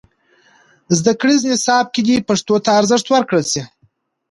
زدهکړیز نصاب کې دې پښتو ته ارزښت ورکړل سي.